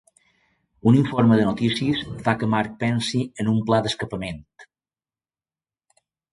Un informe de notícies fa que Mark pensi en un pla d'escapament.